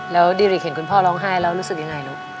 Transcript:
แล้วดีริกเห็นคุณพ่อร้องไห้แล้วรู้สึกยังไงลูก